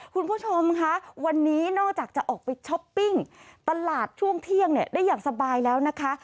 คุณผู้ชมค่ะวันนี้นอกจากจะออกไปช้อปปิ้งตลาดช่วงเที่ยงเนี่ยได้อย่างสบายแล้วนะคะ